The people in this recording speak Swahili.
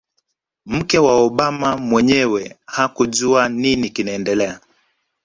mke wa Obama mwenyewe hakujua nini kinaendelea